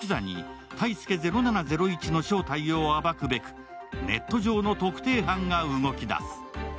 ＠ｔａｉｓｕｋｅ０７０１の正体を暴くべくネット上の特定班が動き出す。